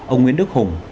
ông nguyễn đức hùng